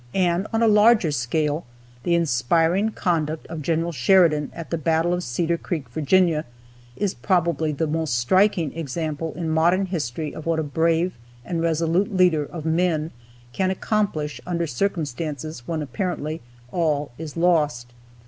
And, on a larger scale, the inspiring conduct of Gen. Sheridan at the battle of Cedar Creek, Virginia, is probably the most striking example in modern history of what a brave and resolute leader of men can accomplish under circumstances when apparently all is lost.